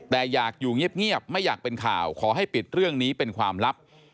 แต่อยากอยู่เงียบไม่อยากเป็นข่าวขอให้ปิดเรื่องนี้เป็นความลับ